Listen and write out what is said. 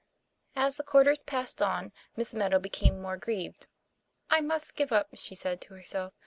As the quarters passed on, Miss Meadow became more grieved. " I must give up," she said to herself.